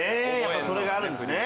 それがあるんですね。